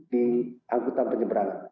di angkutan penyeberangan